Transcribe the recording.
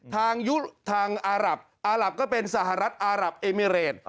ยุทางอารับอารับก็เป็นสหรัฐอารับเอมิเรต